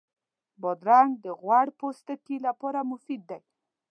بادرنګ د غوړ پوستکي لپاره مفید دی.